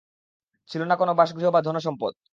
ছিল না কোন বাসগৃহ বা ধনসম্পদ।